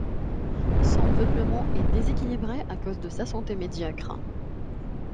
Son peuplement est déséquilibré à cause de sa santé médiocre.